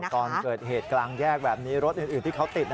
ตอนเกิดเหตุกลางแยกแบบนี้รถอื่นที่เขาติด